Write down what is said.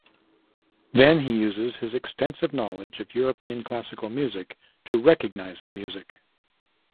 Then he uses his extensive knowledge of European classical music to recognize the music.